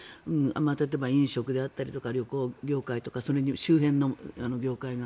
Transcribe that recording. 例えば飲食であったりとか旅行業界とかその周辺の業界が。